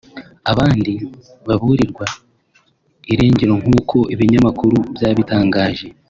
abandi baburirwa irengero nkuko ibinyamakuru byabitangaje